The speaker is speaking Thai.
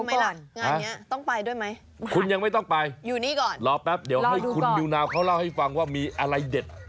ไหมล่ะงานเนี้ยต้องไปด้วยไหมคุณยังไม่ต้องไปอยู่นี่ก่อนรอแป๊บเดี๋ยวให้คุณนิวนาวเขาเล่าให้ฟังว่ามีอะไรเด็ด